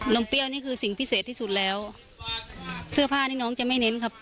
มเปรี้ยวนี่คือสิ่งพิเศษที่สุดแล้วเสื้อผ้านี่น้องจะไม่เน้นครับ